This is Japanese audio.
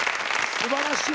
すばらしい。